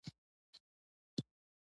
ما ورته وویل، هغه ما هم ځوروي.